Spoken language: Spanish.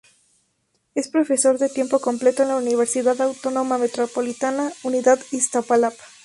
Es profesor de tiempo completo en la Universidad Autónoma Metropolitana, Unidad Iztapalapa.